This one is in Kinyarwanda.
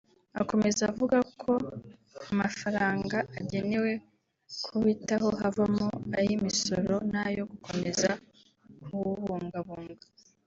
Akomeza avuga ko mu mafaranga agenewe kuwitaho havamo ay’imisoro n’ayo gukomeza kuwubungabunga